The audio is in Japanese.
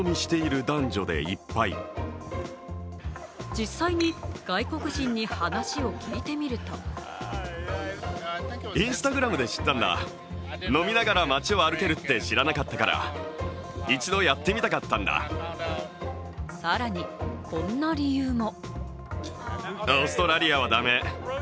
実際に外国人に話を聞いてみると更に、こんな理由も。